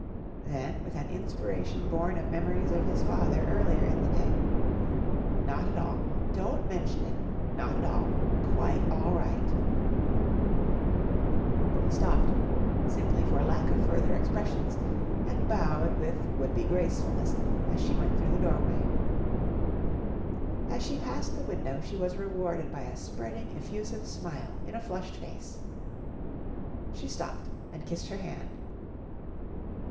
Then, with an inspiration born of memories of his father earlier in the day. "Not at all. Don't menshun it. Not at all. Quite all right." [Illustration: "MONEY DON'T MATTER," SAID WILLIAM. "THINGS IS CHEAP TO DAY. AWFUL CHEAP!"] He stopped, simply for lack of further expressions, and bowed with would be gracefulness as she went through the doorway. As she passed the window she was rewarded by a spreading effusive smile in a flushed face. She stopped and kissed her hand.